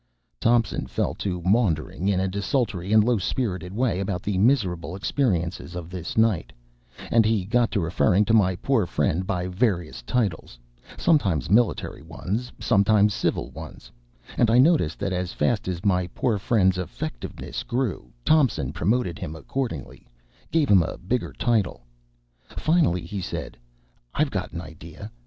Thompson fell to maundering, in a desultory and low spirited way, about the miserable experiences of this night; and he got to referring to my poor friend by various titles, sometimes military ones, sometimes civil ones; and I noticed that as fast as my poor friend's effectiveness grew, Thompson promoted him accordingly, gave him a bigger title. Finally he said, "I've got an idea.